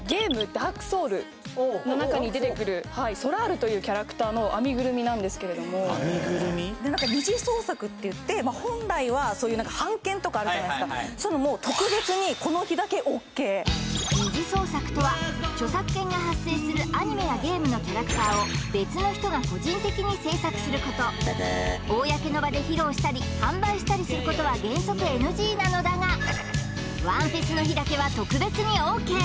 の中に出てくるソラールというキャラクターの編みぐるみなんですけれども二次創作っていって本来はそういう何か版権とかあるじゃないですかそういうのも特別にこの日だけＯＫ二次創作とは著作権が発生するアニメやゲームのキャラクターを別の人が個人的に制作すること公の場で披露したり販売したりすることは原則ＮＧなのだがワンフェスの日だけは特別にＯＫ